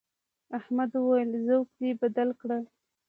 احمد وويل: ذوق دې بدل کړه.